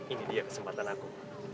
ini dia kesempatan aku